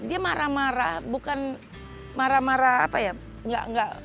dia marah marah bukan marah marah apa ya